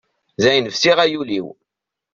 Dayen fisiɣ ay ul-iw.